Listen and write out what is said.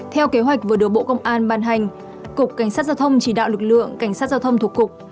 theo kế hoạch vừa được bộ công an ban hành cục cảnh sát giao thông chỉ đạo lực lượng cảnh sát giao thông thuộc cục